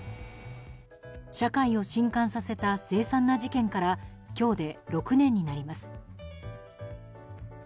社会を震撼させた凄惨な事件から今日で６年になります。